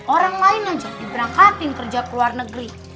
orang lain lanjut diberangkatin kerja ke luar negeri